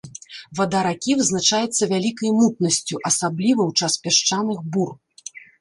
Вада ракі вызначаецца вялікай мутнасцю, асабліва ў час пясчаных бур.